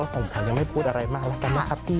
ผมขอยังไม่พูดอะไรมากแล้วกันนะครับพี่